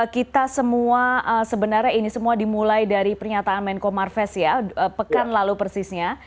kita semua sebenarnya ini semua dimulai dari pernyataan menko marves ya pekan lalu persisnya